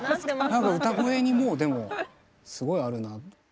歌声にもうでもすごいあるなって。